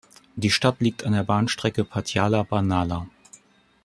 Die Stadt liegt an der Bahnstrecke Patiala–Barnala.